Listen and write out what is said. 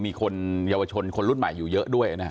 มีคนเยาวชนคนรุ่นใหม่อยู่เยอะด้วยนะฮะ